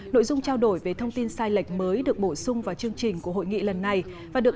nội dung trao đổi về thông tin sai lệch mới được bổ sung vào chương trình của hội nghị lần này và được